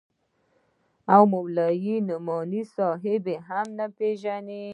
او مولوي نعماني صاحب به هم نه پېژنې.